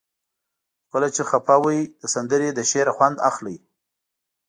خو کله چې خفه وئ د سندرې له شعره خوند اخلئ.